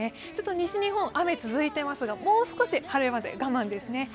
西日本、雨が続いていますが、もう少し、晴れまで我慢ですね。